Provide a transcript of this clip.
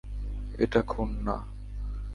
এটা খুন না।